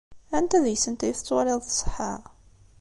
Anta deg-sent ay tettwaliḍ tṣeḥḥa?